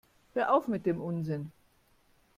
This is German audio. Hör auf mit dem Unsinn!